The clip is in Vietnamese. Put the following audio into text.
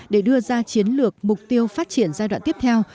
để đưa ra chiến lược mục tiêu phát triển giai đoạn tiếp theo